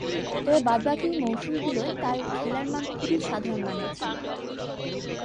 তবে, বাদ-বাকী মৌসুমগুলোয় তার খেলার মান খুবই সাধারণমানের ছিল।